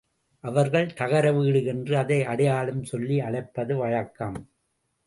அவர்கள் தகர வீடு என்று அதை அடையாளம் சொல்லி அழைப்பது வழக்கம்.